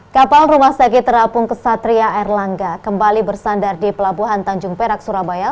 kapal rumah sakit terapung kesatria erlangga kembali bersandar di pelabuhan tanjung perak surabaya